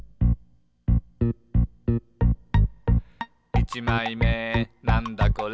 「いちまいめなんだこれ？